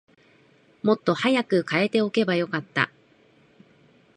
もっと早く替えておけばよかった